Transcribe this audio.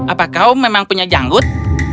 apa kau memang punya janggut